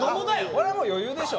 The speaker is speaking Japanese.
これは余裕でしょ。